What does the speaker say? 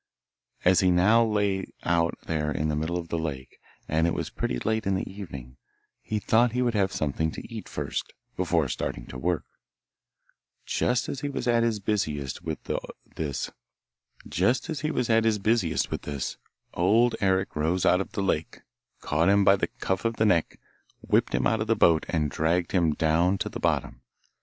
As he now lay out there in the middle of the lake, and it was pretty late in the evening, he thought he would have something to eat first, before starting to work. Just as he was at his busiest with this, Old Eric rose out of the lake, caught him by the cuff of the neck, whipped him out of the boat, and dragged him down to the bottom.